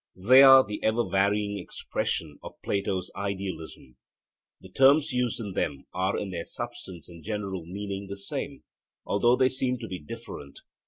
They are the ever varying expression of Plato's Idealism. The terms used in them are in their substance and general meaning the same, although they seem to be different.